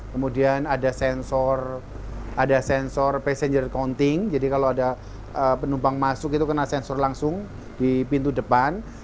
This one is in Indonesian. kemudian ada sensor passenger counting jadi kalau ada penumpang masuk itu kena sensor langsung di pintu depan